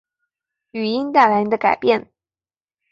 语音带来的改变